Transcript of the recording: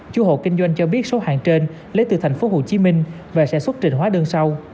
chú hồ kinh doanh cho biết số hàng trên lấy từ thành phố hồ chí minh và sẽ xuất trình hóa đơn sau